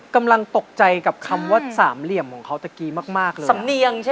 กำลังตกใจกับคำว่าสามเหลี่ยมของเขาตะกี้มากเลย